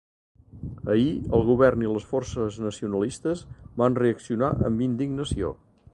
Ahir el govern i les forces nacionalistes van reaccionar amb indignació.